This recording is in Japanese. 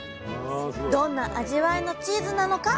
どんな味わいのチーズなのか？